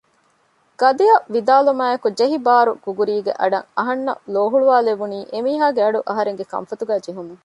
ގަދައަށް ވިދާލުމާއެކު ޖެހި ބާރު ގުގުރީގެ އަޑަށް އަހަންނަށް ލޯހުޅުވާލެވުނީ އެމީހާގެ އަޑު އަހަރެންގެ ކަންފަތުގައި ޖެހުމުން